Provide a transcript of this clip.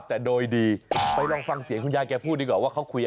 ล้มตาละชิบละหามันมีทุกคนมาหลาย